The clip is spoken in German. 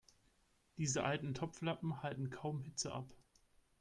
Diese alten Topflappen halten kaum Hitze ab.